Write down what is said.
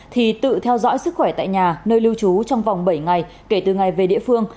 thì tự theo dõi sức khỏe tại nhà nơi lưu trú trong vòng bảy ngày kể từ ngày về địa phương